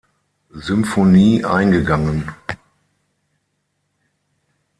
Symphonie eingegangen.